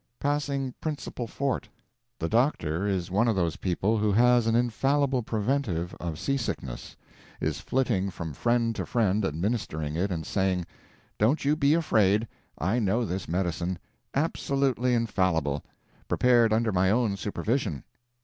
Passing principal fort. The doctor is one of those people who has an infallible preventive of seasickness; is flitting from friend to friend administering it and saying, "Don't you be afraid; I know this medicine; absolutely infallible; prepared under my own supervision."